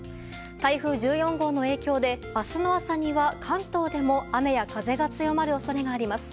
台風１４号の影響で明日の朝には関東でも雨や風が強まる恐れがあります。